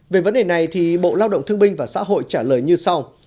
về vấn đề này thì bộ lao động thương binh và xã hội trả lời như sau